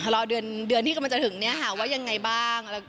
รอเดือนที่กำลังจะถึงว่ายังไงบ้าง